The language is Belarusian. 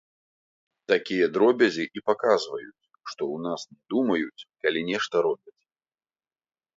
Такія дробязі і паказваюць, што ў нас не думаюць, калі нешта робяць.